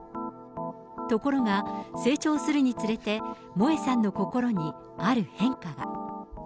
ところが、成長するにつれて、萌さんの心にある変化が。